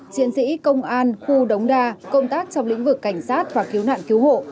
chiến sĩ công an khu đống đa công tác trong lĩnh vực cảnh sát và cứu nạn cứu hộ